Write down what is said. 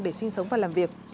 để sinh sống và làm việc